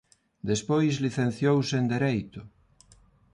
Despois licenciouse en Dereito.